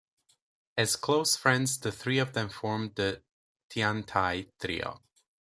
As close friends the three of them formed the "Tiantai Trio".